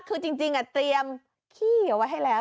คือจริงเตรียมขี้เอาไว้ให้แล้ว